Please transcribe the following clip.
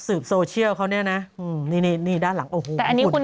สืบโซเชียลเขาเนี่ยนะนี่นี่นี่นี่ด้านหลังโอ้หูแต่อันนี้คุณ